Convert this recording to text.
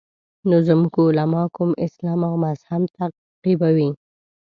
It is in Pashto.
نو زموږ علما کوم اسلام او مذهب تعقیبوي.